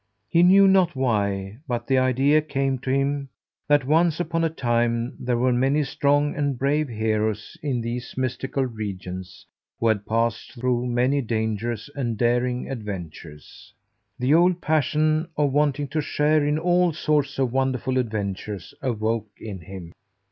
He knew not why, but the idea came to him that once upon a time there were many strong and brave heroes in these mystical regions who had passed through many dangerous and daring adventures. The old passion of wanting to share in all sorts of wonderful adventures awoke in him.